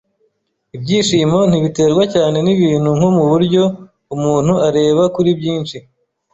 Ibyishimo ntibiterwa cyane nibintu nko muburyo umuntu areba kuri byinshi.